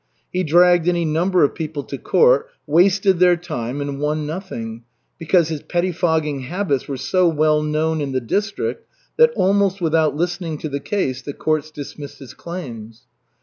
He dragged any number of people to court, wasted their time, and won nothing, because his pettifogging habits were so well known in the district that almost without listening to the case the courts dismissed his claims.